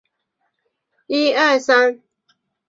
在俄罗斯该设计室最为人熟悉就是其网站设计计划。